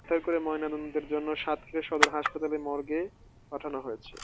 মারুফার কি উদ্ধার করে ময়নাতদন্তের জন্য সাতক্ষীরা সদর হাসপাতালে মর্গে পাঠানো হয়েছে?